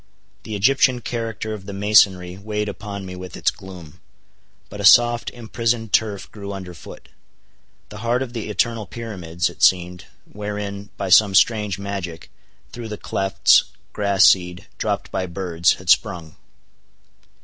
The Egyptian character of the masonry weighed upon me with its gloom. But a soft imprisoned turf grew under foot. The heart of the eternal pyramids, it seemed, wherein, by some strange magic, through the clefts, grass seed, dropped by birds, had sprung.